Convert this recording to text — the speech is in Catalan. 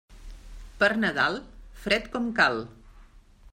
Per Nadal, fred com cal.